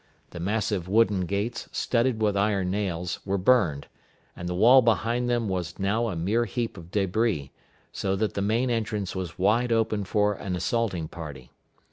The massive wooden gates, studded with iron nails, were burned, and the wall built behind them was now a mere heap of débris, so that the main entrance was wide open for an assaulting party.